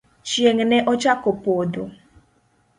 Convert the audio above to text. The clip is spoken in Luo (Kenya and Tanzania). Chieng' ne ochako podho .